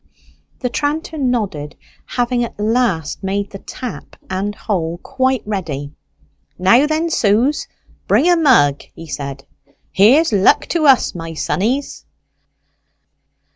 The tranter nodded. Having at last made the tap and hole quite ready, "Now then, Suze, bring a mug," he said. "Here's luck to us, my sonnies!"